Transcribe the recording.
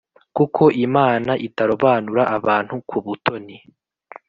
kuko Imana itarobanura abantu ku butoni.